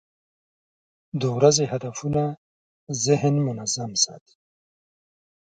د ورځې هدفونه ذهن منظم ساتي.